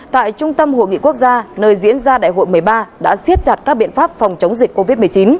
tại trung tâm hội nghị quốc gia nơi diễn ra đại hội một mươi ba đã siết chặt các biện pháp phòng chống dịch covid một mươi chín